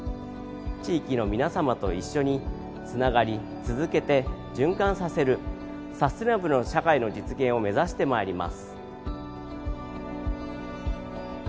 地域の皆さまと一緒につながり続けて循環させるサステナブルの社会の実現を目指してまいります。